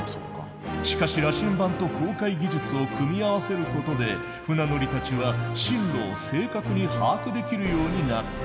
しかし羅針盤と航海技術を組み合わせることで船乗りたちは針路を正確に把握できるようになった。